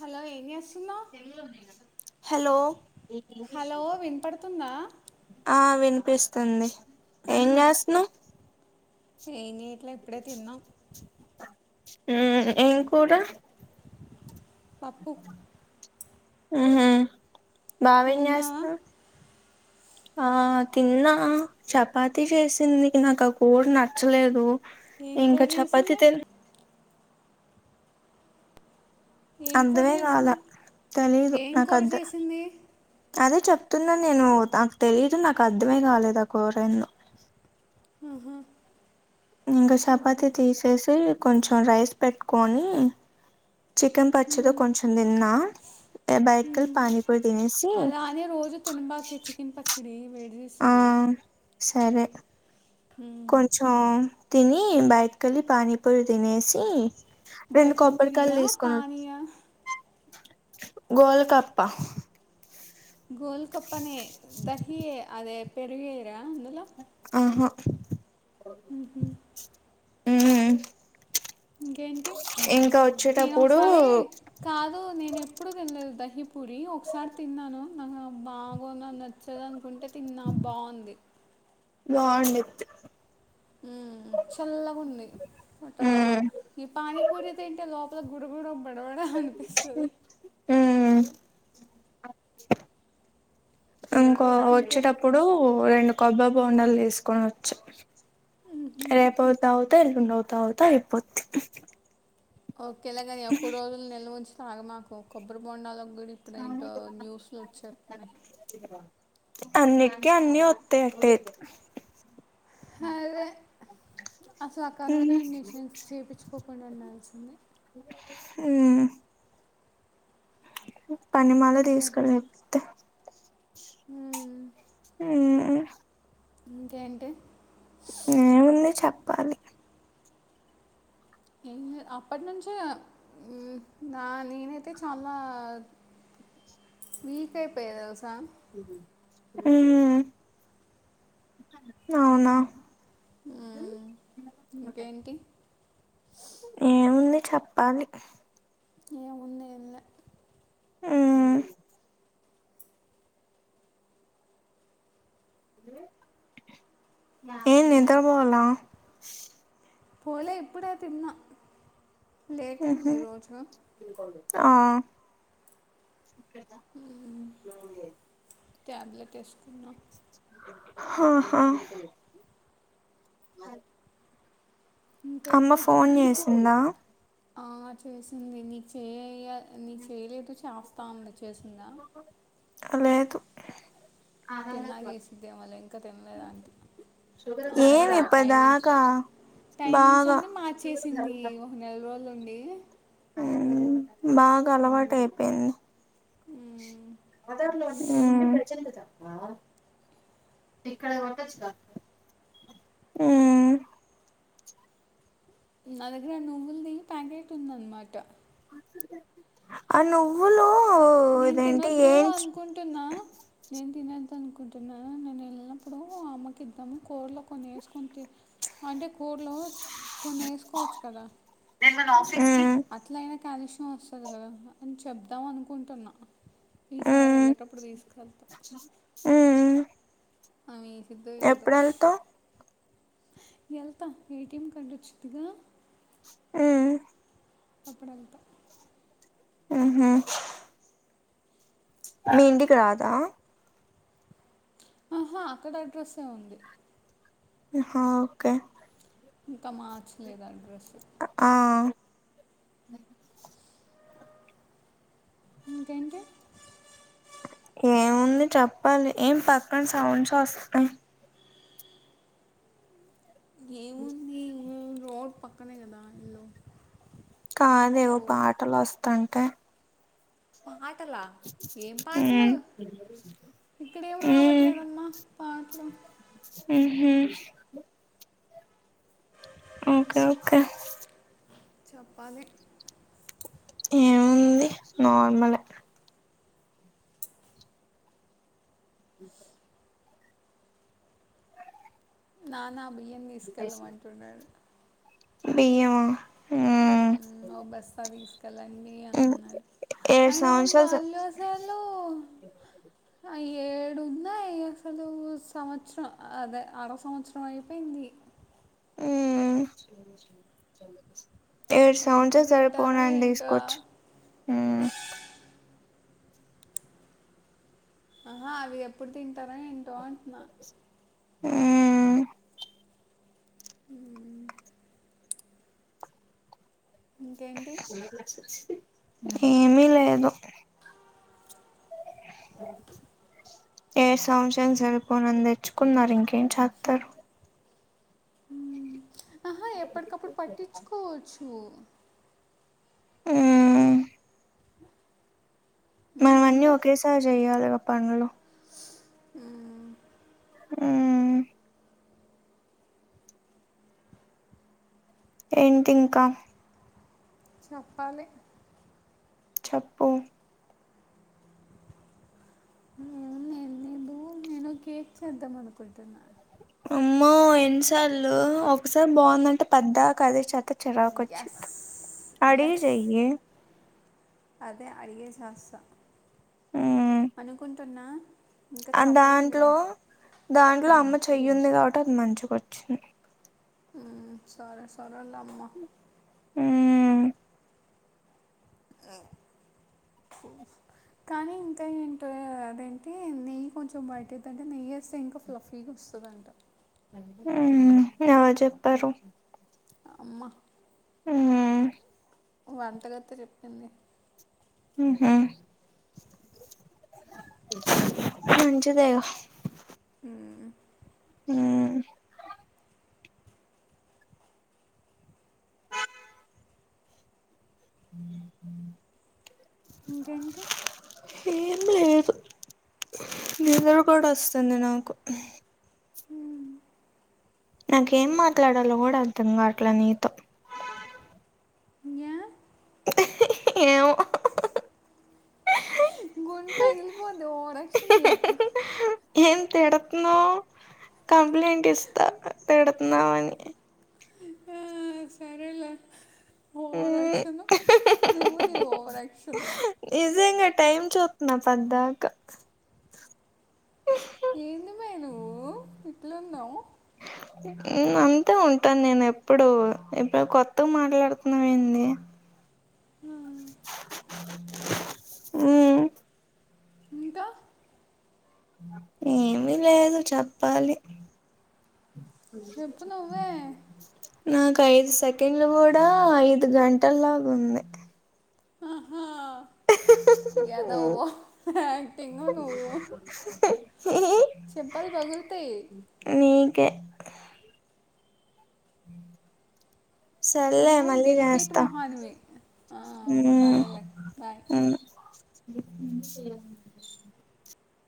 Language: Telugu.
హలో ఏం చేస్తానా హలో హలో వినపడుతుందా ఆ విను అపిస్తుంది ఏం చేస్తాన్నావ్ ఎం చేయట్లే ఇప్పుడే తిన్నాం ఉమ్ ఏం కూర పప్పు ఉహుమ్ బావా నువ్వు ఏం తిన్నావా చేస్తా ఆ తిన్నా చపాతి చేసిందికి నాకు ఆ కూర నచ్చలేదు ఏం ఇంకా కూర చపాతి చేసింది తి ఏం కూర అంతమే కాదా చేసింది తెలీదు ఏం నాక కూర అద్ద చేసింది అదే చెప్తున్నాను నేను నాకు తెలిదు నాకు అర్థమే కాలేదు ఆ కూరేదో ఆహా ఇంగా ఓకే సపాతి తీసేసి కొంచెం రైస్ పెట్టుకొని చికెన్ పచ్చడి కొంచెం తిన్నా బయటికెళ్ళి పానీపూరి తినేసి అలాని రోజు తినబాకె చికన్ పచ్చ డీ వేడి ఆ చేస్తది సరే కొంచం తిని బయిటికెళ్లి పానీపూరి తినేసి రెండు దహీ పూరీ యా పనియా గోల్కాప్ప గోల్ కప్పనే దహీ అదే పెరుగేయరా అందులే ఆహా ఊహు ఉ ఇంకేంటి నేన వచ్చేటప్పుడు ఒకసారి కాదు నేనెప్పుడు తిన్లేదు దహి పురి ఒకసారి తిన్నాను నాకు బాగాన్నా నచ్చదు అనుకుంటే తిన్నా బాగుంది బాగుండిద్ది ఉ చల్లగుంది పొట్ట లో మ్మ్ ఈ పానీపూరి తింటే లోపల లోపల గురుగుడు బడవడం అనిపిస్తుంది మ్మ్ ఇంకో ఇంకే వచ్చేటప్పుడు రెండు కొబ్బ బోండలు దీసుకోనచ్చ రేపు తాగు అ రెండు అవుతా అవుతా అయిపోద్ ఓకేలాగాని ఎక్కవ రోజులు నెల ఉంచి తాగా మాకు కొబ్బరి బొండాలు కూడా ఇప్పుడేంటో న్యూస్లు వచ్చేస్తున్నాయ్ అన్నిటికే అన్ని వస్త అటే అదే అస ఆ కరోనా మ్మ్ ఇంజెక్షన్స్ చేపిచుకోకుండా ఉండాల్సింది ఉ పని మళ ఇంకే తీసుకలేతే మ్మ్. ఉ ఇంకేంటి ఏముంది చెప్పాలి ఏం లేదు అప్పటి నుంచే నా నేనైతే చాలా వికైపోయావ్ దెల్సా ఉమ్ అవునా ఉమ్ ఇంకేంటి ఏముంది చెప్పాలి ఏమున్నా ఉమ్ ఏందెంతకు బోవల్ల పోలే ఇప్పుడై తిన్నా లేట్ మ్హు అయింది ఈరోజు ఆ ఉ ట్యాబ్లెటేసుకున్నా ఆాహా అమ్మ ఇంకేంటి ఫోన్ చేసిందా ఆ చేసింది నీ చేయ నీ చేయలేదు చేస్తా ఉంది చేసిందా ఆ లేదు తిన్నాక చేసిద్దేమోలే ఇంకా తిండ్లేద్ అంట్ ఏమి ఇప్పడిదాకా టైమింగ్స్ అన్ని మార్చేసింది ఒక నెల రోజులుండి ఉమ్ బాగా అలవాటైపేయింది మ్మ్. ఊమ్ దా ఇక్కడ కొ [unintelligible] టచ్చ కా ఊ నాదగ్గర నువ్వుల్ దీ ప్యాకట్ ఉందన్ మాట అ నువ్వులు నేన్ ఇదేంటి తినొద్దు ఏంచ్ అనుకుంటున్నా నేను తినన్ ద్దు అనుకుంటున్నాను నేను ఎళ్ళినప్పుడు అమ్మకిద్దాము కూర్లోలో కొన్ని ఎసుకొన్ తి అంటే కూ కూర్లో కొన్నేసుకోచ్చు కదా మ్మ్ అట్లైన కాల్షియం వస్తది గదా అని చెప్దాం అనుకుంటున్నా ఆ ఈసారి వెళ్ళేటప్పుడు తీసుకెళ్తా ఆ ఆమే ఏసిద్దో ఏదో ఎళ్తా ఏటిఎం కార్డు వచ్చుద్దిగా ఆ అప్పుడెల్తా ఆహ మీఇంటికి రాదా ఆహా అక్కడ అడ్రస్సే ఉంది హోకే ఇంకా మార్చలేదు అడ్రెస్సు అ ఇంకేంటి ఏముంది చెప్పాలి ఏం పక్కన సౌండ్స్ వస్తాయ్ ఏముంది రోడ్ పక్కనే కదా ఇల్లు కాదే వో ఓ పాటలొస్తాంటే పాటలా ఏం పాట్లు మ్మ్ ఇక్కడేమి మ్మ్ రావట్లేదమ్మా పాట్లు హు ఓకే ఓకే చెప్పాలి ఏముంది నార్మలే అ నాన్న బియ్యం వేసుకెళ్ళమంటున్నాడు బియ్యమా ఆ మ్మ్, ఓ బస్తా దీసుకెళ్ళండి అని అన్నాడు ఏడు అయిన గానీ సంవత్సరాలు స వాల్లసలు ఇ ఏడున్నా ఏ అసలు సంవత్సరం అదే అర సంవత్సరం అయిపోయింది ఊ ఏడు సౌండ్సే ఎప్పుడు తింటారో సరిపోనాని ఏంటో దీసుకోచ్చు ఊ ఆహా అవి ఎప్పుడు తింటారా ఏంటో అంటున్నా ఆ అ ఇంకేంటి ఏమీ లేదు ఏ సంవత్సరం సరిపోనని తెచ్చుకున్నారు ఇంకా ఏంచాత్తడు ఊమ్ ఆహా ఎప్పడికప్పుడు పట్టిచ్చుకోవచ్చు ఊమ్ మనం అన్నీ ఇంకేంటి ఒకేసారి చెయ్యాలిగా పనులు ఉమ్ హుమ్ ఏంటి ఇంకా చెప్పాలి చెప్పు నేను నేను ఏందో నేను కేక్ చేద్దాం అనుకుంటున్నా అమ్మో ఎన్నిసార్లు ఒకసారి బాగుందంటే పద్దాకదే చెత్తే చిరాకు ఎస్ వచ్చుద్ధి అడిగి ఎస్ చేయి అదే అడిగే చేస్త అనుకుంటున్నా ఇంకా అండ్ దాంట్లో చెప్పలేదులే దాంట్లో మ్మ్. అమ్మ చెయ్యుంది కాబట్టి అది మంచిగా వచ్చింది హుమ్ సరే సరే లేమ్మా మ్మ్ [unintelligible] కానీ ఇంకా ఏంట అదేంటి నెయ్యి కొంచెం బయటదంటే నెయ్యి వస్తే ఇంకా ఫ్లఫీగా వస్తుంది వస్తుందట హ్మ్ ఎవరు చెప్పారు అమ్మ హుమ్ వంటగత్తే చెప్పింది ఉమ్ హు మంచిదే గా హుమ్ హుమ్ [inaudible] ఇంకేంటి ఏం లేదు నిద్ర కూడా వస్తుంది నాకు మ్మ్. నాకు ఏం మాట్లాడలో కూడా అర్థం కావట్లే నీతో ఏ ఏమో గొంతు పగిలిపోద్ది ఓవరాక్షన్ చేయకు తిడుతున్నావ్ కంప్లైంట్ ఇస్తా తిడుతున్నావ్ అని ఆ, సరేలే మ్మ్. ఓవరాక్షన్ నువ్వు నీ ఓవరాక్షన్ నిజంగా టైమ్ చూత్తున్నా పద్దాకా ఏందిమ్మే నువ్వు ఇట్లున్నావు ఉమ్ అంతే ఉంటాను నేను ఎప్పుడు ఇప్పుడు కొత్తగా మాట్లాడుతున్నావ్ ఏంది హుమ్ హుమ్ ఇంకా ఏమీ లేదు చెప్పాలి చెప్పు నువ్వే [inaudible] నాకు ఐదు సెకండ్లు కూడా ఐదు గంటల్లాగా ఉంది ఆహా ఎదవ ఓవరాక్టింగ్ నువ్వు చెంపలు పగు పగులుతయి ఒకే [inaudible] మళ్ళీ డెలికేట్ చేస్తా మొహాన్వి ఆ మ్మ్. సరేలే బాయ్ మ్మ్. [inaudible]